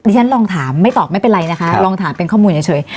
ฉันลองถามไม่ตอบไม่เป็นไรนะคะลองถามเป็นข้อมูลเฉย